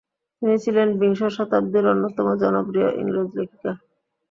তিনি ছিলেন বিংশ শতাব্দীর অন্যতম জনপ্রিয় ইংরেজ লেখিকা।